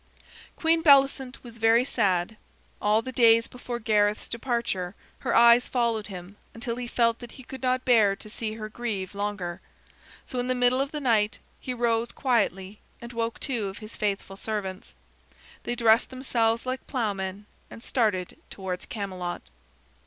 Queen Bellicent was very sad. All the days before Gareth's departure her eyes followed him until he felt that he could not bear to see her grieve longer. So in the middle of the night he rose quietly and woke two of his faithful servants. They dressed themselves like plowmen and started towards Camelot.